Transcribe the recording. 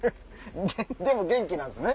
でも元気なんすね。